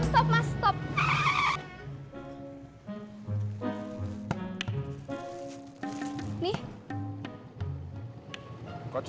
kakak ingin satu